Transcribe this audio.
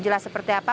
jelas seperti apa